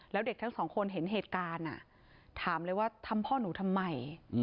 แล้วเด็กทั้งสองคนเห็นเหตุการณ์ถามเลยว่าทำพ่อหนูทำไม